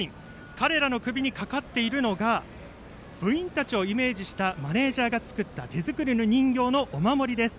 彼らの首にかかっているのが部員たちをイメージしたマネージャーが作った手作りの人形のお守りです。